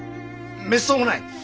めっそうもない！